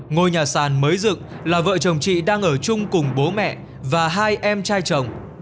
ngôi nhà sàn mới dựng là vợ chồng chị đang ở chung cùng bố mẹ và hai em trai chồng